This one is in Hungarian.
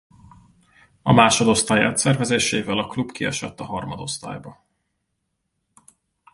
A másodosztály átszervezésével a klub kiesett a harmadosztályba.